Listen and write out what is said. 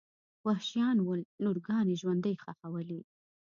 وحشیان ول لورګانې ژوندۍ ښخولې.